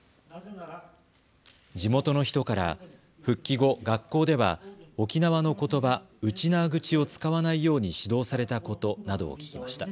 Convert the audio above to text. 地元の人から復帰後、学校では沖縄のことば、ウチナーグチを使わないように指導されたことなどを聞きました。